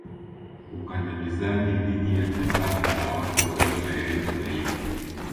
Ukandamizaji dhidi ya tabaka la watu walio na elimu zaidi